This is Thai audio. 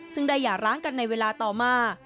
ซึ่งได้หย่าร้างกันในเวลาต่อมา